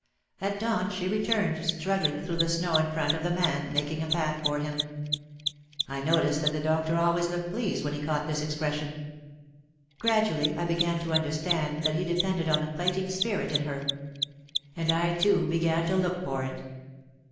At dawn she returned struggling through the snow in front of the man, making a path for him. I noticed that the doctor always looked pleased when he caught this expression. Gradually I began to OUT OF THE SHADOW 165 understand that he depended on the fighting spirit in her. And I too began to look for it.